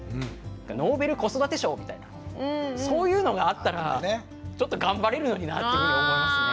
「ノーベル子育て賞」みたいなそういうのがあったらちょっと頑張れるのになっていうふうに思いますね。